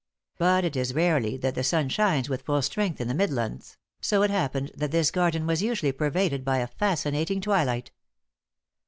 But it is rarely that the sun shines with full strength in the Midlands; so it happened that this garden was usually pervaded by a fascinating twilight.